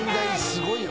・すごい。